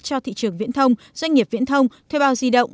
cho thị trường viễn thông doanh nghiệp viễn thông thuê bao di động